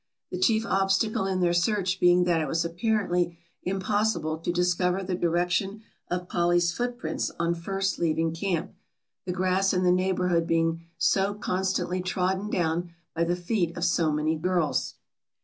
The chief obstacle in their search being that it was apparently impossible to discover the direction of Polly's footprints on first leaving camp, the grass in the neighborhood being so constantly trodden down by the feet of so many girls.